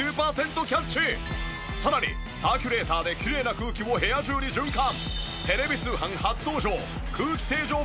さらにサーキュレーターできれいな空気を部屋中に循環。